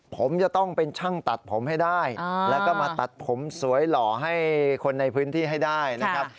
ผมจะต้องเป็นช่างตัดผมให้ได้แล้วก็มาตัดผมสวยหล่อให้คนในพื้นที่ให้ได้นะครับ